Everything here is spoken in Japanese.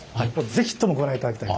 是非ともご覧いただきたいと。